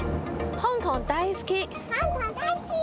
香港大好きー！